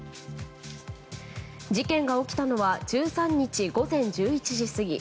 事件が起きたのは１３日午前１１時過ぎ。